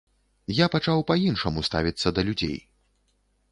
Я пачаў па-іншаму ставіцца да людзей.